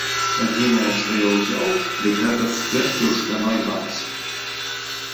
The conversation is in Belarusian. Адзінае, што я ўзяў, дык гэта цукеркі ў шкляной банцы.